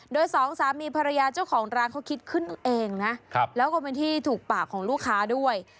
โดยสองสามีภรรยาเจ้าของร้านเขาคิดขึ้นเองนะแล้วก็เป็นที่ถูกปากของลูกค้าด้วย